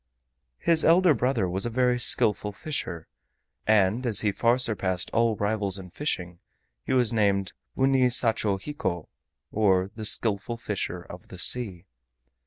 His elder brother was a very skillful fisher, and as he far surpassed all rivals in fishing, he was named "Umi sachi hiko" or the "Skillful Fisher of the Sea."